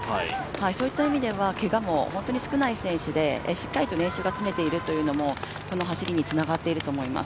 そういった意味では、けがも本当に少ない選手でしっかりと練習が積めているというのもこの走りにつながっていると思います。